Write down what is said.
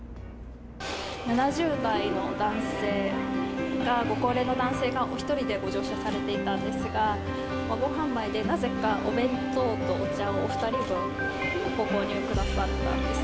７０代の男性が、ご高齢の男性がお１人でご乗車されていたんですが、ワゴン販売でなぜかお弁当とお茶をお２人分ご購入くださったんです。